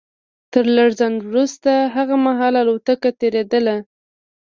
تر لږ ځنډ وروسته هغه مهال الوتکه تېرېدله